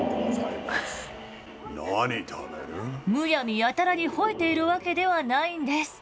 むやみやたらにほえているわけではないんです。